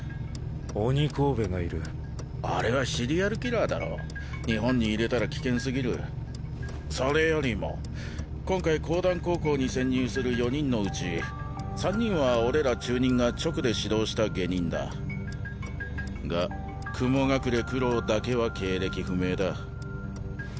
鬼首がいるあれはシリアルキラーだろ日本に入れたら危険すぎるそれよりも今回講談高校に潜入する４人のうち３人は俺ら中忍が直で指導した下忍だが雲隠九郎だけは経歴不明だ